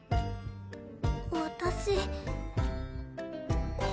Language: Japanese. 私。